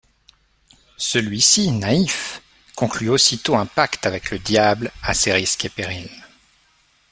Celui-ci, naïf, conclut aussitôt un pacte avec le Diable à ses risques et périls...